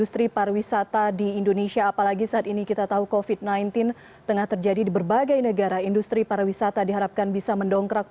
sanksi pidana bagi pelanggar